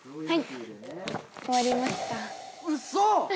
はい。